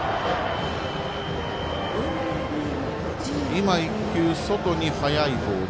今、１球、外に速いボール。